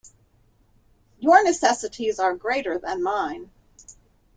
Your necessities are greater than mine.